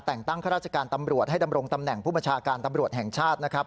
แต่งตั้งข้าราชการตำรวจให้ดำรงตำแหน่งผู้บัญชาการตำรวจแห่งชาตินะครับ